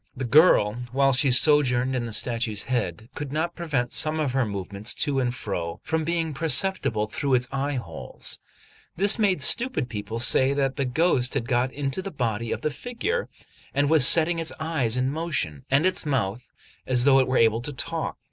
The girl, while she sojourned in the statue's head, could not prevent some of her movements to and fro from being perceptible through its eye holes; this made stupid people say that the ghost had got into the body of the figure, and was setting its eyes in motion, and its mouth, as though it were about to talk.